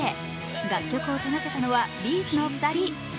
楽曲を手掛けたのはＢ’ｚの２人。